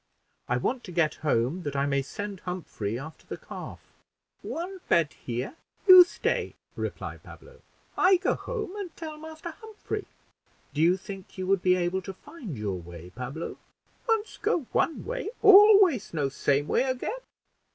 I want to get home, that I may send Humphrey after the calf." "One bed here; you stay," replied Pablo. "I go home, and tell Master Humphrey." "Do you think you would be able to find your way, Pablo?" "Once go one way, always know same way again."